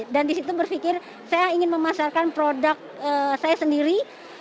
dan disitu berpikir saya ingin memasarkan produk saya sendiri